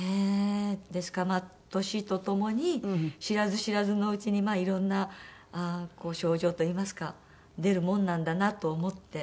ですからまあ年とともに知らず知らずのうちにいろんな症状といいますか出るもんなんだなと思って。